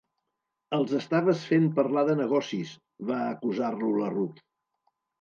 "Els estaves fent parlar de negocis", va acusar-lo la Ruth.